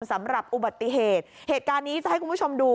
สำหรับอุบัติเหตุเหตุการณ์นี้จะให้คุณผู้ชมดู